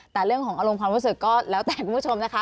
แต่เรื่องของอารมณ์ความรู้สึกก็แล้วแต่คุณผู้ชมนะคะ